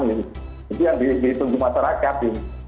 itu yang ditunggu masyarakat